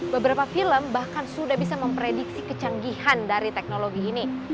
beberapa film bahkan sudah bisa memprediksi kecanggihan dari teknologi ini